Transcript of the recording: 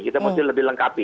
kita mesti lebih lengkapi